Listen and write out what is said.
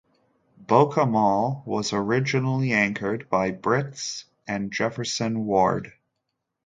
Boca Mall was originally anchored by Britt's and Jefferson Ward.